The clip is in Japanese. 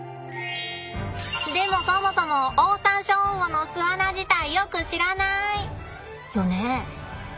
でもそもそもオオサンショウウオの巣穴自体よく知らない！よね？